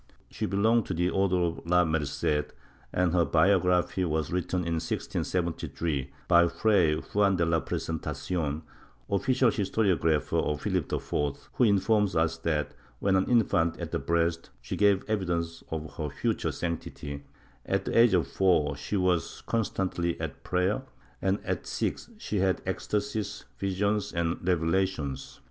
She belonged to the Order of La Merced, and her biography was written in 1673, by Fray Juan de la Presentacion, official historiographer of Philip IV, who informs us that, when an infant at the breast, she gave evidence of her future sanctity; at the age of four she was constantly at prayer, and at six she had ecstasies, visions and revelations.